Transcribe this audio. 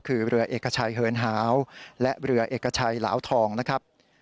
คือเรือเอกชัยเหินหาวและเรือเอกชัยเหลาทองนะครับ